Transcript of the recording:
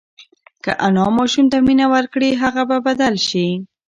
که انا ماشوم ته مینه ورکړي، هغه به بدل شي.